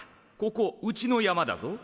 ここうちの山だぞ。